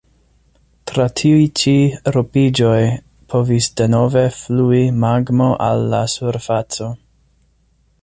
Tra tiuj ĉi ropiĝoj povis denove flui magmo al la surfaco.